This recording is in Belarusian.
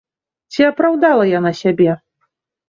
Ці апраўдала яна сябе?